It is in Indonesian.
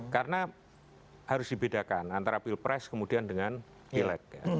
karena harus dibedakan antara pilpres kemudian dengan pilek